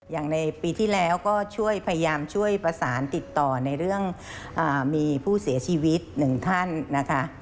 อย่างในปีที่แล้วก็ช่วยพยายามช่วยประสานติดต่อในเรื่องมีผู้เสียชีวิตหนึ่งท่านนะคะ